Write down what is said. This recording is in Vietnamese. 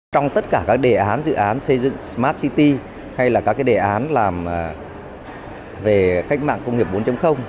trong tất cả các đề án dự án xây dựng smart city hay là các đề án làm về cách mạng công nghiệp bốn